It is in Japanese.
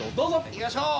いきましょう！